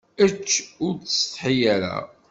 Ečč, ur ttsetḥi ara.